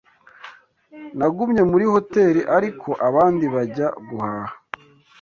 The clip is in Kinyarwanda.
Nagumye muri hoteri, ariko abandi bajya guhaha.